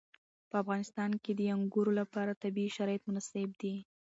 په افغانستان کې د انګورو لپاره طبیعي شرایط مناسب دي.